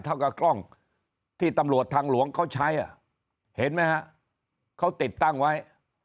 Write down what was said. เท่ากับกล้องที่ตำรวจทางหลวงเขาใช้เห็นไหมฮะเขาติดตั้งไว้